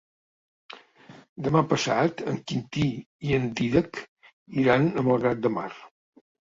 Demà passat en Quintí i en Dídac iran a Malgrat de Mar.